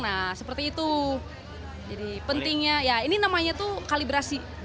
nah seperti itu jadi pentingnya ya ini namanya tuh kalibrasi